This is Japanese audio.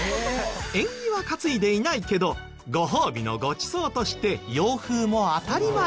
縁起は担いでいないけどご褒美のごちそうとして洋風も当たり前に。